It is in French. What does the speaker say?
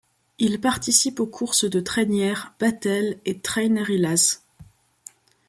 Il participe aux courses de trainières, batel et trainerillas.